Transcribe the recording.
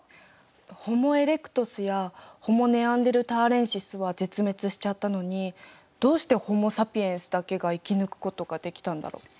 ホモ・エレクトスやホモ・ネアンデルターレンシスは絶滅しちゃったのにどうしてホモ・サピエンスだけが生き抜くことができたんだろう？